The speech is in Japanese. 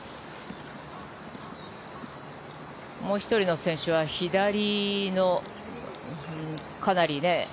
もう１人の選手は左のかなり。